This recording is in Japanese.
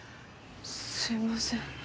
すいません。